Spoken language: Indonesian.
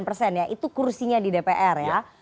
empat puluh enam sembilan persen ya itu kursinya di dpr ya